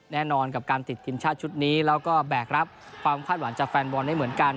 แน่นอนกับการติดทีมชาติชุดนี้แล้วก็แบกรับความคาดหวังจากแฟนบอลได้เหมือนกัน